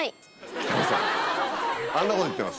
北野さんあんなこと言ってます。